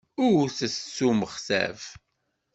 Wwtet s umextaf.